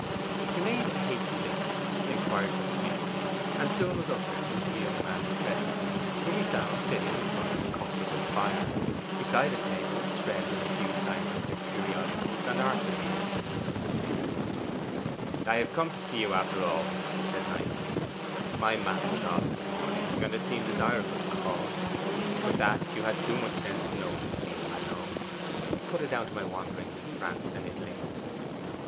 He made a hasty dinner, inquired for Smith, and soon was ushered into the young man's presence, whom he found sitting in front of a comfortable fire, beside a table spread with a few scientific periodicals and art reviews. 'I have come to you, after all,' said Knight. 'My manner was odd this morning, and it seemed desirable to call; but that you had too much sense to notice, Stephen, I know. Put it down to my wanderings in France and Italy.